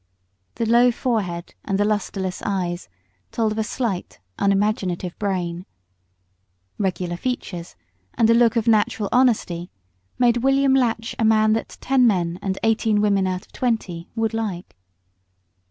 The low forehead and the lustreless eyes told of a slight, unimaginative brain, but regular features and a look of natural honesty made William Latch a man that ten men and eighteen women out of twenty would like.